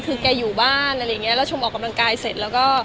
คือแกอยู่บ้านอะไรเงี้ยแล้วชมออกกำลังกายเสร็จ